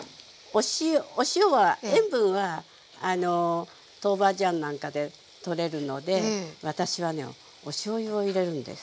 お塩は塩分は豆板醤なんかでとれるので私はねおしょうゆを入れるんです。